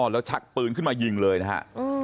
แล้วชักปืนขึ้นมายิงเลยนะฮะ